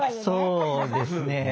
そうですね。